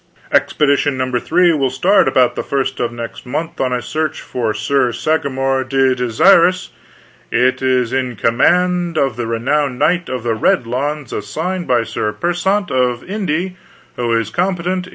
Expedition No. 3 will start adout the first of mext month on a search f8r Sir Sagramour le Desirous. It is in com and of the renowned Knight of the Red Lawns, assissted by Sir Persant of Inde, who is compete9t.